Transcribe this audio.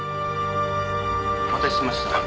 お待たせしました。